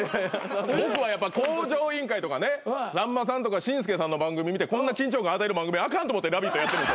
僕はやっぱ『向上委員会』とかねさんまさんとか紳助さんの番組見てこんな緊張感与える番組あかんと思って『ラヴィット！』やってる。